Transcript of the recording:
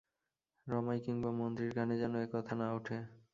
রমাই কিংবা মন্ত্রীর কানে যেন এ-কথা না উঠে।